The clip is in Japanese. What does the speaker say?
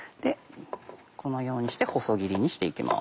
このようにして細切りにして行きます。